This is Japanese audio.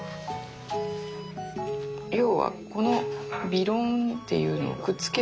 要はこのびろんっていうのをくっつける。